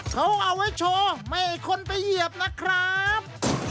เขาเอาไว้โชว์ไม่ให้คนไปเหยียบนะครับ